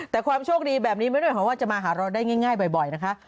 แต่ความโชคดีแบบนี้ไม่ได้เพราะว่าจะมาหาเราได้ง่ายบ่อยนะคะ